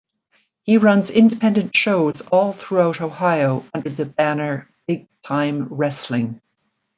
He runs independent shows all throughout Ohio under the banner Big Time Wrestling.